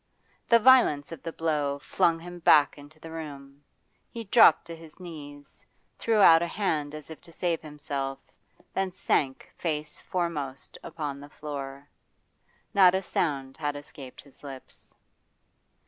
The violence of the blow flung him back into the room; he dropped to his knees, threw out a hand as if to save himself, then sank face foremost upon the floor. Not a sound had escaped his lips.